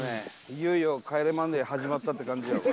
いよいよ『帰れマンデー』始まったって感じよ。